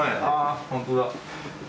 あほんとだ。